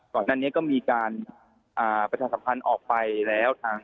ก่อนนั้นเนี่ยก็มีการประชาสัมพันธ์ออกไปแล้ว